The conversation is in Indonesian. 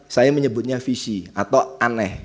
saya menyebutnya visi atau aneh